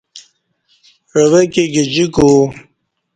عویکہ گجیکو